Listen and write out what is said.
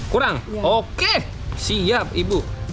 kurang oke siap ibu